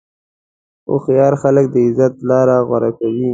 هوښیار خلک د عزت لاره غوره کوي.